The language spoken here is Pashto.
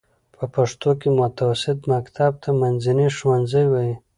په پښتو کې متوسطه مکتب ته منځنی ښوونځی وايي.